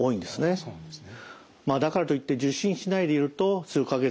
ああそうなんですね。